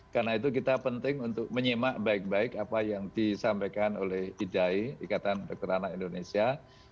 karena itu kita penting untuk menyimak baik baik apa yang disampaikan oleh idi ikatan dokter anak indonesia